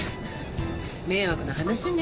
迷惑な話ね。